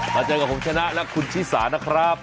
เจอกับผมชนะและคุณชิสานะครับ